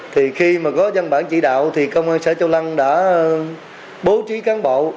thì khi mà có văn bản chỉ đạo thì công an xã châu lăng đã bố trí cán bộ